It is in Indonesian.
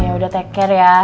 ya udah take care ya